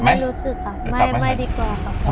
ไม่รู้สึกค่ะไม่ดีกว่าค่ะ